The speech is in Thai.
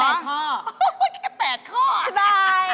โอ้โฮแค่๘ข้อสบาย